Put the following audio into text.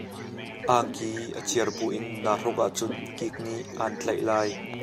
Angki a ciar buin naa hruk ahcun kik nih a'an tlaih lai.